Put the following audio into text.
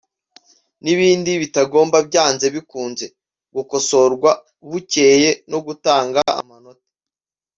n’ibindi bitagomba byanze bikunze gukosorwa bukeye no gutanga amanota